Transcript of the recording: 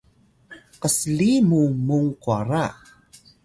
ksli mu mung kwara